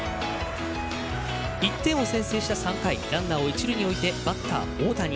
１点を先制した３回、ランナーを一塁に置いてバッター大谷。